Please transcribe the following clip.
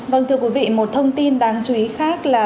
vâng thưa quý vị một thông tin đáng chú ý khác là